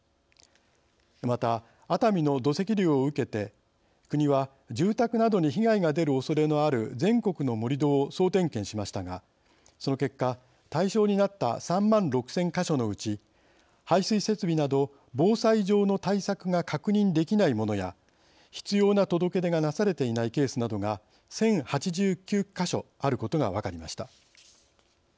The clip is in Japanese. また熱海の土石流を受けて国は住宅などに被害が出るおそれのある全国の盛り土を総点検しましたがその結果対象になった３万６，０００か所のうち排水設備など防災上の対策が確認できないものや必要な届け出がなされていないケースなどが１，０８９か所あることが分かりました。